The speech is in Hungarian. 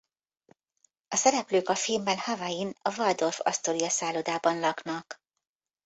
A szereplők a filmben Hawaiin a Waldorf Astoria szállodában laknak.